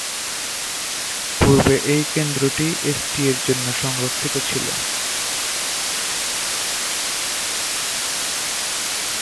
পূর্বে এই কেন্দ্রটি এসটি এর জন্য সংরক্ষিত ছিল।